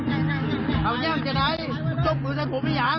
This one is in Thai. เอาอย่างจะได้คุณจบมือใส่ถูกไม่อย่าง